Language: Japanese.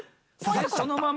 そのまま？